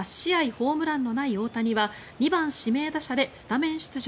ホームランのない大谷は２番指名打者でスタメン出場。